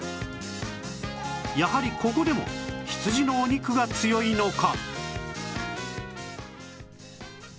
やはりここでも羊のお肉が強いのか？